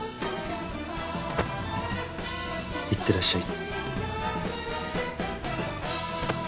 いってらっしゃい。